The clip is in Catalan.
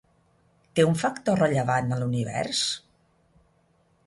Té un factor rellevant en l'univers?